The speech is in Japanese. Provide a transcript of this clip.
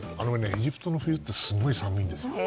エジプトの冬ってすごい寒いんですよ。